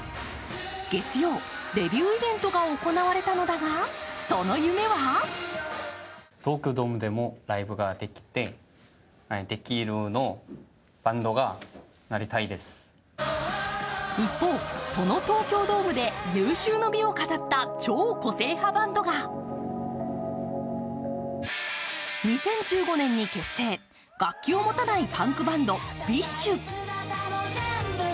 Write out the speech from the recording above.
月曜、デビューイベントが行われたのだが、その夢は一方、その東京ドームで有終の美を飾った超個性バンドが２０１５年の結成、楽器を持たないパンクバンド、ＢｉＳＨ。